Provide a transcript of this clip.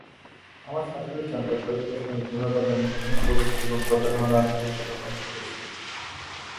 আমার শাশুড়ি চান তার প্রয়াত স্বামী পুনর্বার জন্মগ্রহণ করুন এবং প্রতারণার আদেশে বাবার নির্দেশে।